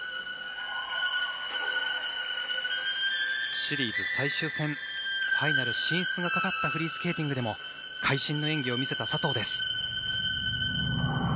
シリーズ最終戦ファイナル進出がかかったフリースケーティングでも会心の演技を見せた佐藤。